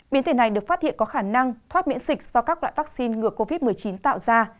biến thể này được phát hiện có khả năng thoát miễn dịch do các loại vaccine ngừa covid một mươi chín tạo ra